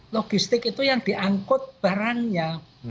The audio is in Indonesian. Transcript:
logistik itu yang diangkut barangnya